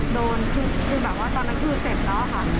โดนคือแบบว่าตอนนั้นคือเจ็บแล้วค่ะ